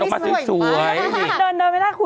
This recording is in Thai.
เดินม่าร่ากขวนเล็ดไปด้วย